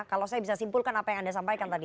kalau saya bisa simpulkan apa yang anda sampaikan tadi